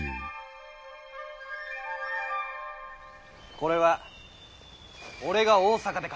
これは俺が大坂で買った